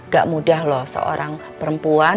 gak mudah loh seorang perempuan